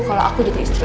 kalau aku jadi istri om